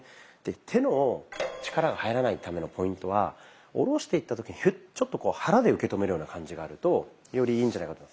手の力が入らないためのポイントは下ろしていった時にヒュッちょっとこう肚で受け止めるような感じがあるとよりいいんじゃないかと思います。